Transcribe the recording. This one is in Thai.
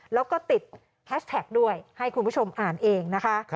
แล้วก็ติดแฮชแท็กด้วยให้คุณผู้ชมอ่านเองนะคะ